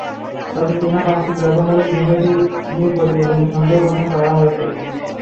তবে চীনা পাসপোর্ট ব্যবহারের বিষয়টি নিয়ে প্রতিবেদনে সন্দেহ পোষন করা হয়েছে।